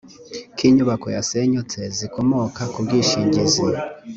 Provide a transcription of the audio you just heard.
k inyubako yasenyutse zikomoka ku bwishingizi